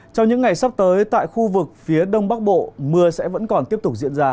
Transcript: trong những ngày sắp tới tại khu vực phía đông bắc bộ mưa sẽ vẫn còn tiếp tục diễn ra